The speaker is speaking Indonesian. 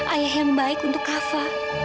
ayah yang baik untuk kava